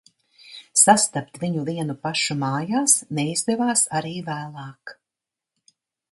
Sastapt viņu vienu pašu mājās neizdevās arī vēlāk.